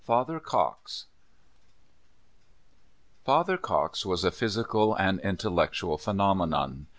FATHER COX lATHER COX was a physical and intel lectual phenomenon.